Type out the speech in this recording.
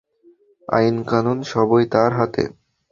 আইনকানুন সবই তার হাতে।